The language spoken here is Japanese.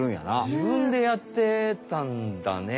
自分でやってたんだね。